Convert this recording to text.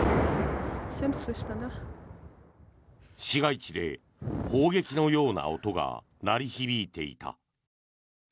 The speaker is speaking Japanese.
市街地で砲撃のような音が鳴り響いていた。